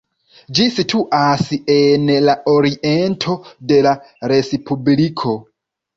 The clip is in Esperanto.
Ĝi situas en la oriento de la respubliko.